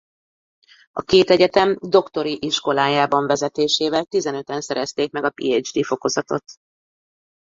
A két egyetem Doktori Iskolájában vezetésével tizenöten szerezték meg a PhD fokozatot.